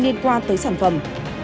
liên quan tới sản phẩm